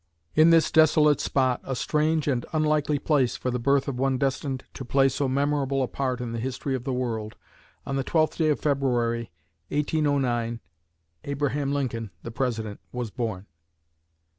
In this desolate spot, a strange and unlikely place for the birth of one destined to play so memorable a part in the history of the world, on the twelfth day of February, 1809, Abraham Lincoln the President was born.